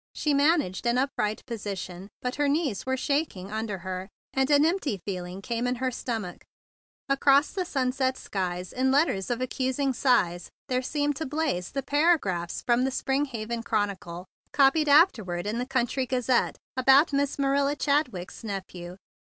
She man¬ aged an upright position; but her knees were shaking under her, and a gone feeling came* in her stomach. Across the sunset sides in letters of ac¬ cusing size there seemed to blaze the paragraphs from The Springhaven 19 THE BIG BLUE SOLDIER Chroniclej, copied afterwards in the county Gazette , about Miss Ma riila Chadwick's nephew.